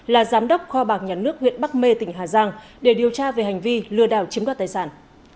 là giám đốc kho bạc nhà nước huyện bắc mê tỉnh hà giang để điều tra về hành vi lừa đảo chiếm đoạt tài sản